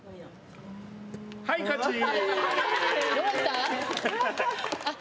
はい、勝ちー。